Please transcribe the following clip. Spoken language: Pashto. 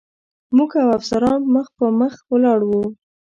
موږ او افسران مخ په مخ ولاړ و.